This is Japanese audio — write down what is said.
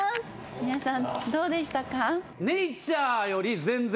皆さんどうでしたか？